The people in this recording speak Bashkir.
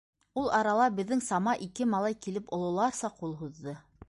Ул арала беҙҙең сама ике малай килеп ололарса ҡул һуҙҙы.